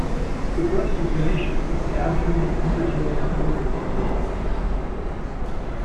The breast is vinaceous, the abdomen and under tail coverts are white.